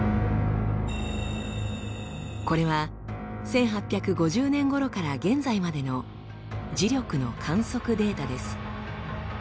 これは１８５０年ごろから現在までの磁力の観測データです。